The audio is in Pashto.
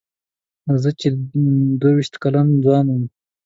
زه چې دوه وېشت کلن ځوان وم.